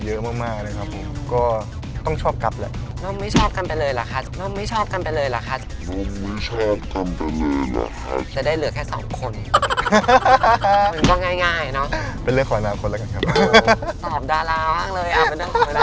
โอ้โฮตอบดาราบ้างเลยอ่ะเป็นเรื่องของอนาคต